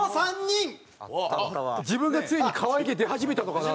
自分がついに可愛げ出始めたのかなと。